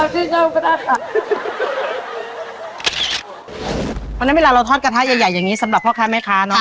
เพราะฉะนั้นเวลาเราทอดกระทะใหญ่อย่างนี้สำหรับพ่อค้าแม่ค้าเนาะ